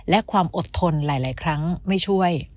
และความอดทนหลายครั้งไม่ช่วย